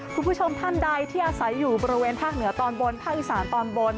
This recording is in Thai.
คุณผู้ชมท่านใดที่อาศัยอยู่บริเวณภาคเหนือตอนบนภาคอีสานตอนบน